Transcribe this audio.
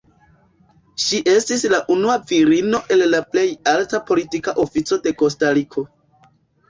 Ŝi estis la unua virino en la plej alta politika ofico de Kostariko.